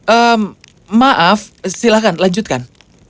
ehm maaf silahkan lanjutkan